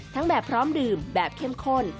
แบบพร้อมดื่มแบบเข้มข้น